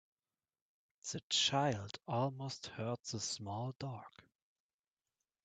The child almost hurt the small dog.